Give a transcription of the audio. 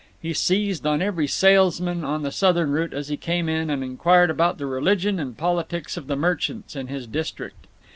He seized on every salesman on the Southern route as he came in, and inquired about the religion and politics of the merchants in his district.